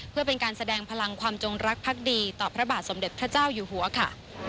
เพื่อเป็นการแสดงพลังความจงรักพักดีต่อพระบาทสมเด็จพระเจ้าอยู่หัวค่ะ